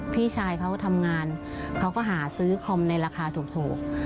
พี่ชายเขาทำงานเขาก็หาซื้อคอมในราคาถูก